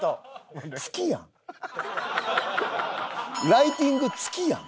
ライティング月やん。